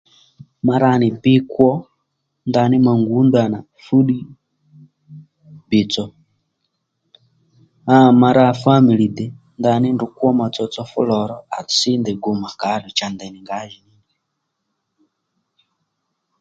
Ma rà nì bi kwo ndaní ma ngǔ ndanà fúddiy bìytsò áw ma ra fámìli dè ndaní ndrǔ kwó ma tsotso fú lò ró à sí ndèy gu mà kòddù cha ndèy nì ngǎjìní nì